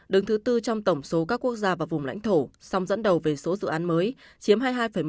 đứng thứ tư trong tổng số các quốc gia và vùng lãnh thổ song dẫn đầu về số dự án mới chiếm hai mươi hai một